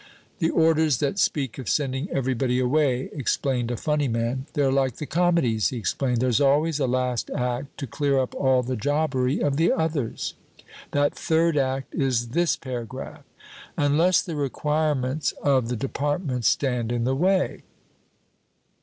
'The orders that speak of sending everybody away,' explained a funny man, 'they're like the comedies,' he explained, 'there's always a last act to clear up all the jobbery of the others. That third act is this paragraph, "Unless the requirements of the Departments stand in the way."'